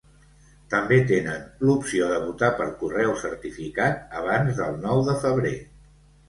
També tenen l’opció de votar per correu certificat abans del nou de febrer.